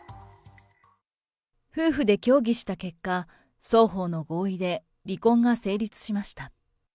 夫婦で協議した結果、双方の合意で離婚が成立しました。